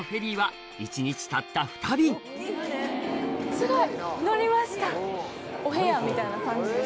すごい！